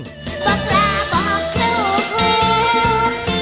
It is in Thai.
กล้าบอกทุกคน